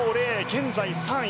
現在３位。